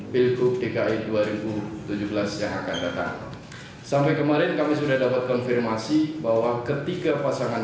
pilih gubernur dan wakil gubernur